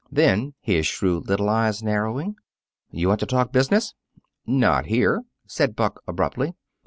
Then, his shrewd little eyes narrowing, "You want to talk business?" "Not here," said Buck abruptly.